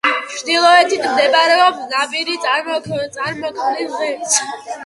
ჩრდილოეთით მდებარე ნაპირი წარმოქმნის ღერძს.